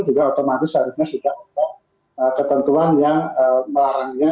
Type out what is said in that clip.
juga otomatis seharusnya sudah ada ketentuan yang melarangnya